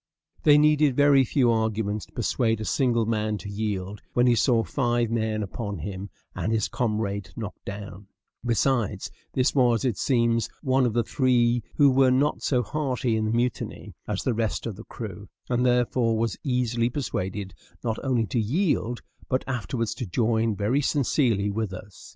They needed very few arguments to persuade a single man to yield when he saw five men upon him and his comrade knocked down; besides, this was, it seems, one of the three who were not so hearty in the mutiny as the rest of the crew, and therefore was easily persuaded not only to yield, but afterwards to join very sincerely with us.